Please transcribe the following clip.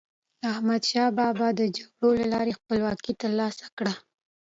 احمدشاه بابا د جګړو له لارې خپلواکي تر لاسه کړه.